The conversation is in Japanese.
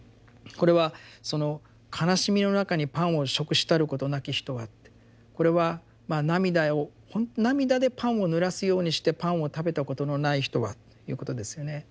これはその「悲しみのなかにパンを食したることなき人は」ってこれは「涙でパンをぬらすようにしてパンを食べたことのない人は」ということですよね。